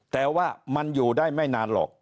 แต่ว่ามันอยู่ได้ไม่นานหรอก